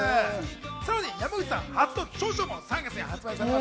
さらに山口さん初の著書も３月に発売されます。